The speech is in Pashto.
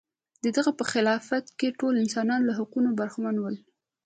د هغه په خلافت کې ټول انسانان له حقونو برخمن و.